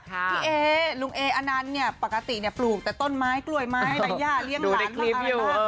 พี่เอลุงเออนันต์เนี่ยปกติปลูกแต่ต้นไม้กล้วยไม้แต่ย่าเลี้ยงหลานอะไรบ้าง